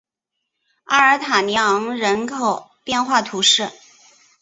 阿尔塔尼昂人口变化图示